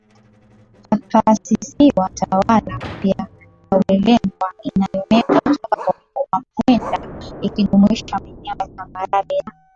pakaasisiwa tawala mpya ya Ulelengwe iliyomegwa toka kwa wamwenda ikijumuisha maeneo ya tambarare ya